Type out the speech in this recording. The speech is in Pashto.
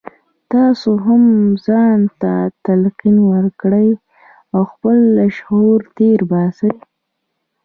تاسې هم ځان ته تلقين وکړئ او خپل لاشعور تېر باسئ.